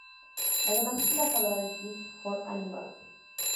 Además es embajadora de Kids for Animals.